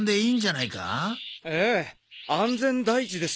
ええ安全第一ですし。